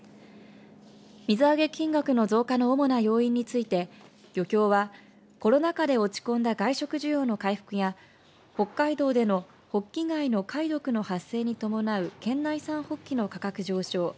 水揚げ金額の増加の主な要因について漁協はコロナ禍で落ち込んだ外食需要の回復や北海道でのホッキ貝の貝毒の発生に伴う県内産ホッキの価格上昇